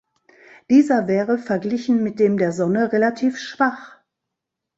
Dieser wäre verglichen mit dem der Sonne relativ schwach.